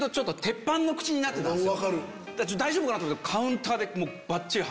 大丈夫かなと思ったけど。